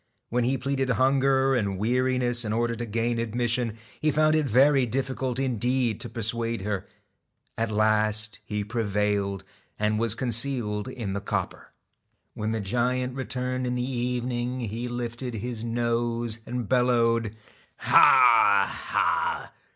When he pleaded hunger and weariness in order to gain admission, he found it very diffi cult indeed to persuade her. At last he prevailed, ii TACK and was concealed in the copper. When the giant AI j.X? E returned in the evening , he lifted his nose and STALK bellowed :' Ha, Ha